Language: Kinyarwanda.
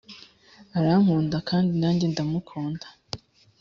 Arankunda kandi nanjye ndamukunda